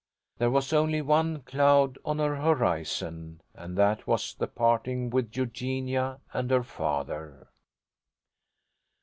There was only one cloud on her horizon, and that was the parting with Eugenia and her father.